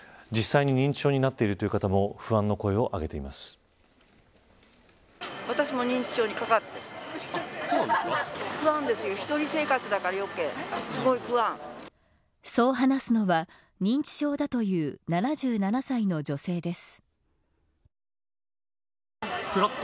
実際に認知症になっているという方のそう話すのは認知症だという７７歳の女性です。